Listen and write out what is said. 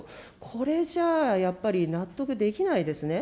これじゃあ、やっぱり納得できないですね。